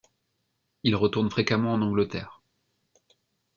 Il retourne fréquemment en Angleterre.